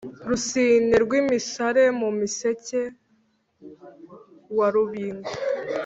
Rusine rw' imisare mu Museke wa Rubingo;